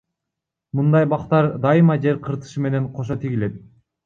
Мындай бактар дайыма жер кыртышы менен кошо тигилет.